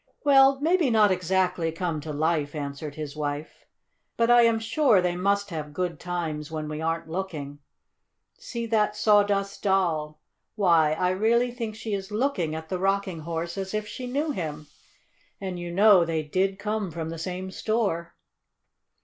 "Well, maybe not exactly come to life," answered his wife. "But I am sure they must have good times when we aren't looking. See that Sawdust Doll! Why, I really think she is looking at the Rocking Horse as if she knew him! And you know they did come from the same store."